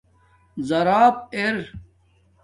زاراب ار